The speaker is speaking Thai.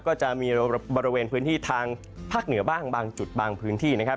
ก็จะมีบริเวณพื้นที่ทางภาคเหนือบ้างบางจุดบางพื้นที่นะครับ